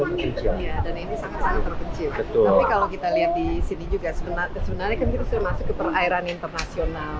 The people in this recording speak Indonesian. tapi kalau kita lihat di sini juga sebenarnya kan kita sudah masuk ke perairan internasional